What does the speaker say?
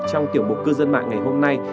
trong tiểu bộ cư dân mạng ngày hôm nay